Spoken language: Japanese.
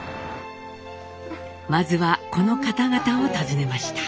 まずはこの方々を訪ねました。